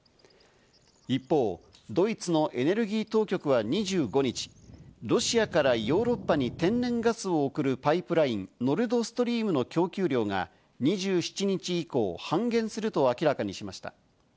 一方、ドイツのエネルギー当局は２５日、ロシアからヨーロッパに天然ガスを送るパイプライン、ノルドストリームの供給量が２７日以降、半減すると明らかにしました。